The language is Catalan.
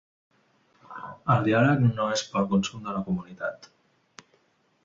El diàleg no és pel consum de la comunitat.